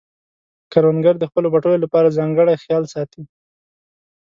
کروندګر د خپلو پټیو لپاره ځانګړی خیال ساتي